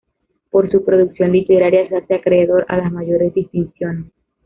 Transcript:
Por su producción literaria se hace acreedor a las mayores distinciones.